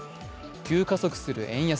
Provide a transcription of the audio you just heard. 急加速する円安。